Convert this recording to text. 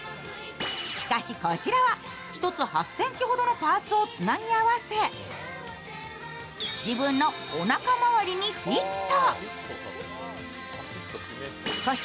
しかし、こちらは１つ８ｃｍほどのパーツをつなぎ合わせ、自分のおなか回りにフィット。